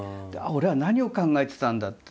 俺は何を考えてたんだって。